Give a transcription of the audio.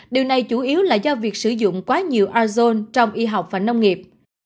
điều này chủ yếu là do việc sử dụng quá nhiều azon trong y học và nông nghiệp